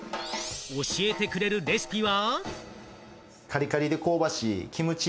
教えてくれるレシピは。